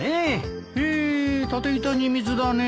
へえ立て板に水だね。